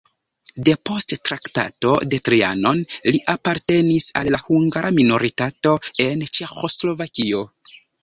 Depost Traktato de Trianon li apartenis al la hungara minoritato en Ĉeĥoslovakio.